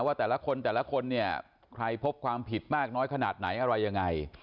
ว่าแต่ละคนแต่ละคนเนี่ยใครพบความผิดมากน้อยขนาดไหนอะไรยังไง